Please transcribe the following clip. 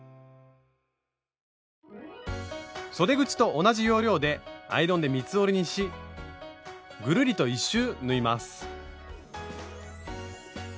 そで口と同じ要領でアイロンで三つ折りにしぐるりと１周縫います。